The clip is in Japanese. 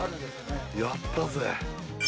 やったぜ。